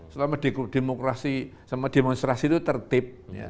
selama demokrasi sama demonstrasi itu tertib